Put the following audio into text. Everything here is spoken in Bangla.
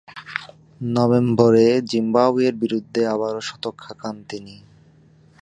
নভেম্বরে জিম্বাবুয়ের বিরুদ্ধে আবারও শতক হাঁকান তিনি।